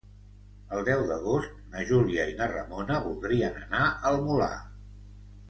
El deu d'agost na Júlia i na Ramona voldrien anar al Molar.